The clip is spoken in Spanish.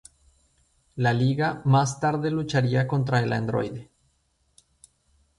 La Liga más tarde lucharía contra el androide.